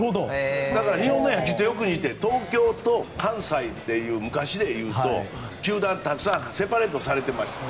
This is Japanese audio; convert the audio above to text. だから日本の野球とよく似ていて東京と関西という昔で言うと球団たくさんセパレートされていました。